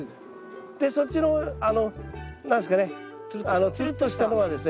でそっちの何ですかねつるっとしたのはですね